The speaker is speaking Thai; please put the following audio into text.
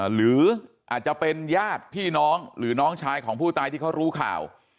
หรืออาจจะเป็นญาติพี่น้องหรือน้องชายของผู้ตายที่เขารู้ข่าว